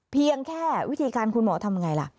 เพียงแค่วิธีการคุณหมอทำอย่างไรล่ะ